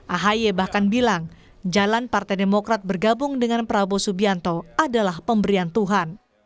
ahy bahkan bilang jalan partai demokrat bergabung dengan prabowo subianto adalah pemberian tuhan